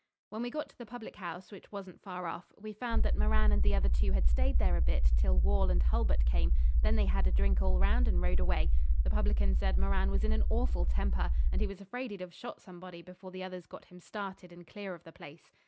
When we got to the public house, which wasn't far off, we found that Moran and the other two had stayed there a bit till Wall and Hulbert came; then they had a drink all round and rode away. The publican said Moran was in an awful temper, and he was afraid he'd have shot somebody before the others got him started and clear of the place.